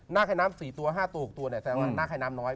แค่น้ำ๔ตัว๕ตัว๖ตัวเนี่ยแสดงว่านาคให้น้ำน้อย